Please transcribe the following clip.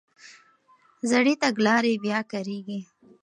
زړې تګلارې بیا کارېږي.